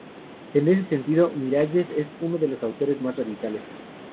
En ese sentido, Miralles es uno de los autores más radicales.